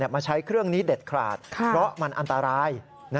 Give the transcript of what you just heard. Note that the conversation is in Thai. มาใช้เครื่องนี้เด็ดขาดเพราะมันอันตราย